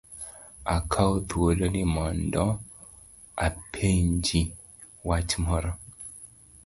Akawo thuolo ni mondo apenji wach moro.